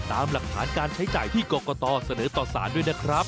ตามหลักฐานการใช้จ่ายที่กรกตเสนอต่อสารด้วยนะครับ